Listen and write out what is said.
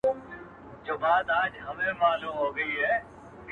زما جانان وې زما جانان یې جانانه یې,